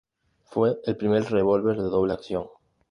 Fue el primer revólver de doble acción.